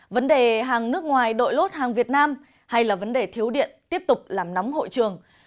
vấn đề hàng nước ngoài đội lốt hàng việt nam hay là vấn đề thiếu điện tiếp tục làm nóng hội trường